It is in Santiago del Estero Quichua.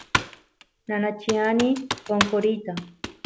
nanachiani qonqoriyta